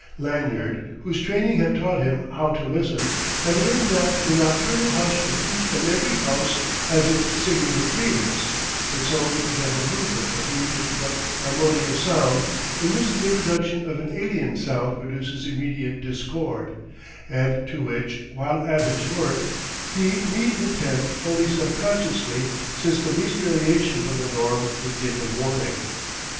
Lanyard, whose training had taught him how to listen, had learned that the nocturnal hush of each and every house has its singular cadence, its own gentle movement of muted but harmonious sound in which the introduction of an alien sound produces immediate discord, and to which, while at his work, he need attend only subconsciously since the least variation from the norm would give him warning.